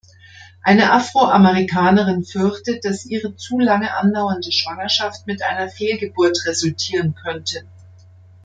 Eine Afroamerikanerin fürchtet, dass ihre zu lange andauernde Schwangerschaft mit einer Fehlgeburt resultieren könnte.